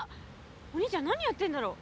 お兄ちゃん何やってるんだろう？